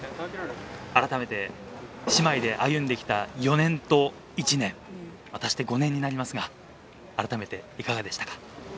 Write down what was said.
改めて、姉妹で歩んできた４年と１年、足して５年になりますが、改めていかがでしたか。